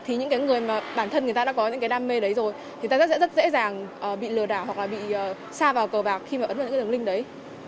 thì những cái người mà bản thân người ta đã có những cái đam mê đấy rồi thì người ta rất sẽ rất dễ dàng bị lừa đảo hoặc là bị xa vào cờ bạc khi mà ấn tượng những cái đường link đấy